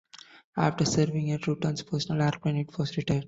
After serving as Rutan's personal airplane, it was retired.